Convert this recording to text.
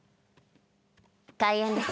開演です。